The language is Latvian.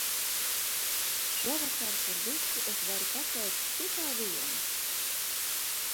Šovakar par visu es varu pateikt tikai vienu!